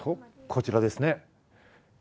こちらですね。